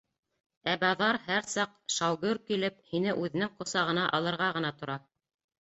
Ә баҙар һәр саҡ шау-гөр килеп, һине үҙенең ҡосағына алырға ғына тора.